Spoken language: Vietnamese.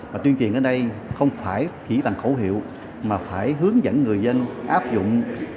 và tuyên truyền ở đây không phải chỉ bằng khẩu hiệu mà phải hướng dẫn người dân áp dụng